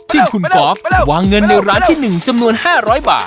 เหมือนข้างหน้าข้างหน้า